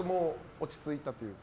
落ち着いたというか？